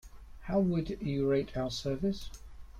How would you rate our service?